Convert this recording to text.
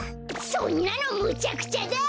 そんなのむちゃくちゃだ！